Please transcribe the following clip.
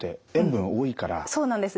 そうなんです。